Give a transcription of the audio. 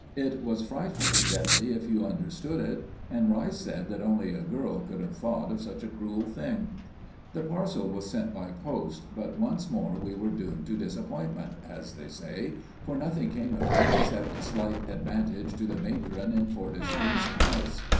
It was frightfully deadly if you understood it, and Rice said that only a girl could have thought of such a cruel thing. The parcel was sent by post, but once more we were doomed to disappointment, as they say, for nothing came of it except slight advantage to the matron in Fortescue's house.